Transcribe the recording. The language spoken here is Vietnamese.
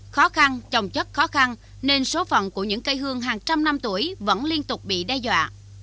khó khăn trồng chất khó khăn nên số phận của những cây hương hàng trăm năm tuổi vẫn liên tục bị đe dọa